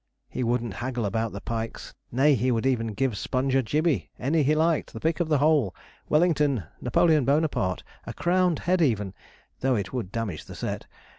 He wouldn't haggle about the pikes; nay, he would even give Sponge a gibbey, any he liked the pick of the whole Wellington, Napoleon Bonaparte, a crowned head even, though it would damage the set.